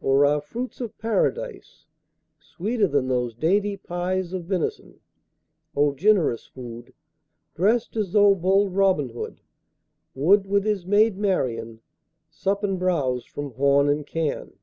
Or are fruits of Paradise Sweeter than those dainty pies Of venison? O generous food! Drest as though bold Robin Hood 10 Would, with his maid Marian, Sup and bowse from horn and can.